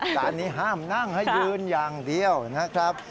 ร้านนี้ห้ามนั่งให้ยืนอย่างเดียวนะครับ